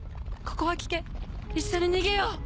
ここは危険一緒に逃げよう。